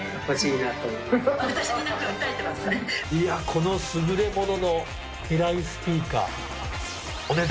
この優れもののミライスピーカー。